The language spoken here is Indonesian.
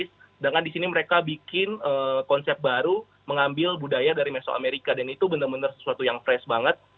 sedangkan di sini mereka bikin konsep baru mengambil budaya dari mesoamerica dan itu benar benar sesuatu yang fresh banget